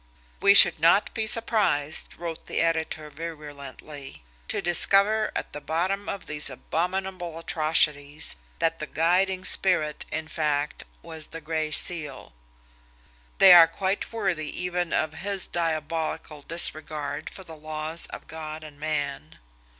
"We should not be surprised," wrote the editor virulently, "to discover at the bottom of these abominable atrocities that the guiding spirit, in fact, was the Gray Seal they are quite worthy even of his diabolical disregard for the laws of God and man."